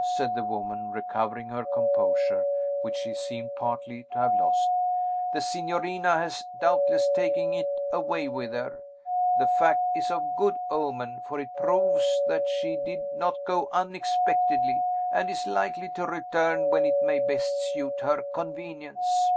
said the woman, recovering her composure, which she seemed partly to have lost. "The signorina has doubtless taken it away with her. The fact is of good omen; for it proves that she did not go unexpectedly, and is likely to return when it may best suit her convenience."